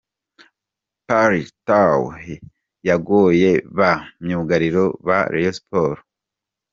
Percy Tau yagoye ba myugariro ba Rayon Sports.